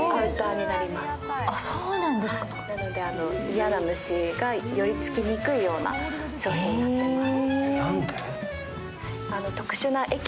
嫌な虫が寄りつきにくいような素材になっています。